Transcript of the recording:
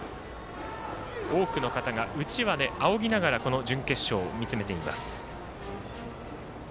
多くの方がうちわであおぎながらこの準決勝を見つめています。